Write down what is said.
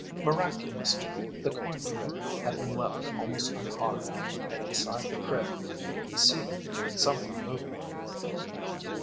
Miraculously, the corn crib had been left almost unharmed and inside the crib they could see someone moving.